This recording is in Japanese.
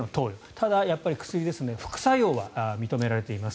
ただ、薬ですので副作用は認められています。